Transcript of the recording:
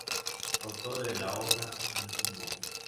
Autor de la obra "Anti Moa.